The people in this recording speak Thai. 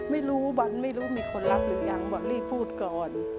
ไม่รู้บอลไม่รู้มีคนรับหรือยังบอลรีบพูดก่อน